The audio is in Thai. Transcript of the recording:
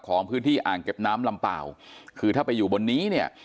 ของพื้นที่อ่างเก็บน้ำลำเปล่าคือถ้าไปอยู่บนนี้เนี่ย